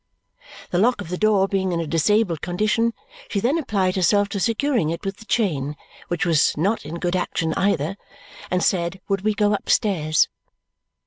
The lock of the door being in a disabled condition, she then applied herself to securing it with the chain, which was not in good action either, and said would we go upstairs?